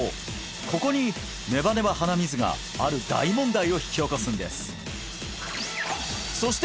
ここにネバネバ鼻水がある大問題を引き起こすんですそして